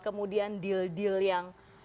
kemudian deal deal yang